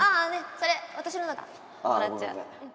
それ私のだからもらっちゃう。